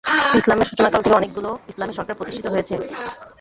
ইসলামের সূচনাকাল থেকে অনেকগুলো ইসলামী সরকার প্রতিষ্ঠিত হয়েছে।